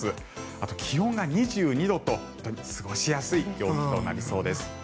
あと気温が２２度と本当に過ごしやすい陽気となりそうです。